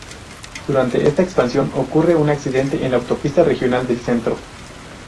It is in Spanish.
Durante esta expansión ocurre un accidente en la Autopista Regional del Centro.